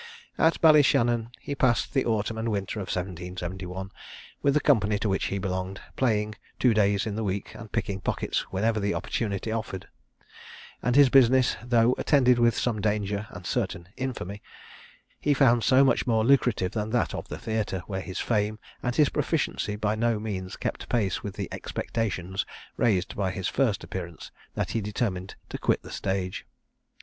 At Ballyshannon he passed the autumn and winter of 1771 with the company to which he belonged, playing two days in the week, and picking pockets whenever opportunity offered; and this business, though attended with some danger and certain infamy, he found so much more lucrative than that of the theatre, where his fame and his proficiency by no means kept pace with the expectations raised by his first appearance, that he determined to quit the stage.